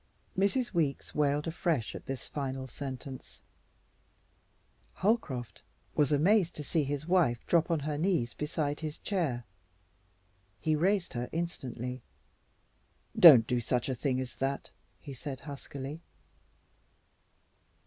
Mrs. Weeks wailed afresh at this final sentence. Holcroft was amazed to see his wife drop on her knees beside his chair. He raised her instantly. "Don't do such a thing as that," he said huskily.